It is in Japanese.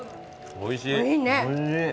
おいしいね。